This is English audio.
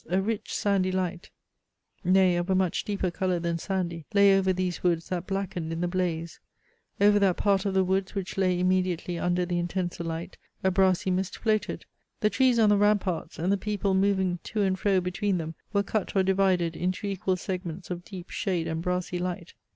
A rich sandy light, (nay, of a much deeper colour than sandy,) lay over these woods that blackened in the blaze. Over that part of the woods which lay immediately under the intenser light, a brassy mist floated. The trees on the ramparts, and the people moving to and fro between them, were cut or divided into equal segments of deep shade and brassy light.